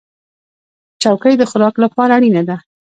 چوکۍ د خوراک لپاره اړینه ده.